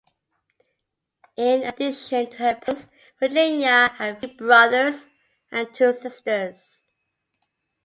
In addition to her parents, Virginia had three brothers and two sisters.